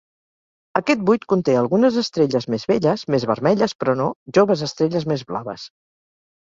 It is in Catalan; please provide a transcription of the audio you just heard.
Aquest buit conté algunes estrelles més velles, més vermelles però no, joves estrelles més blaves.